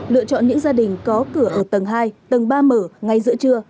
lựa chọn những gia đình có cửa ở tầng hai tầng ba mở ngay giữa trưa